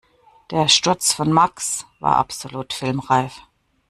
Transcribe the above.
Der Sturz von Max war absolut filmreif.